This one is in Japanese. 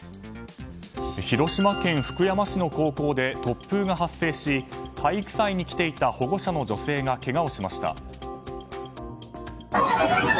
広島県福山市の高校で突風が発生し体育祭に来ていた保護者の女性がけがをしました。